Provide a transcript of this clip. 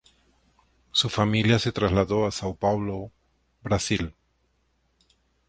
Su familia se trasladó a São Paulo, Brasil.